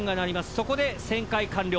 そこで旋回完了。